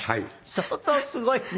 相当すごいね。